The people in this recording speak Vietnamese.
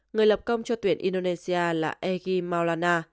người lập công cho tuyển indonesia là egi maulana